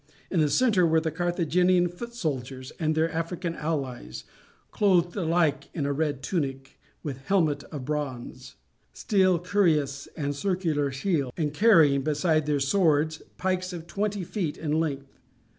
In the centre were the Carthaginian foot soldiers and their African allies, clothed alike in a red tunic, with helmet of bronze, steel cuirass and circular shield, and carrying, besides their swords, pikes of twenty feet in length.